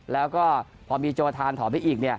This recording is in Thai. แล้วก็พอมีโจทานถอนไปอีก